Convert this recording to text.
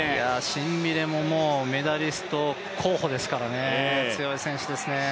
シンビネもメダリスト候補ですから、強い選手ですね。